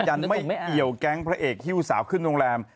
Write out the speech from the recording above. ไม่เกี่ยวแก๊งพระเอกฮิ้วสาวขึ้นโรงแรม